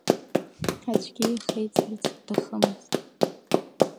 Аӡәгьы ихеиҵарц иҭахымызт.